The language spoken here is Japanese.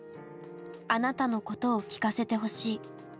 「あなたのことを聞かせてほしい」。